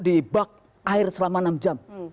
di bak air selama enam jam